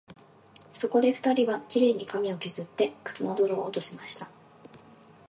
そこで二人は、綺麗に髪をけずって、靴の泥を落としました